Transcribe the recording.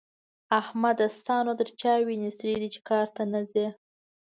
احمده! ستا نو تر چا وينې سرې دي چې کار ته نه ځې؟